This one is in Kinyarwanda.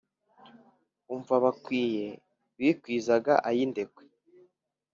umva bakwiye bikwizaga ayi ndekwe,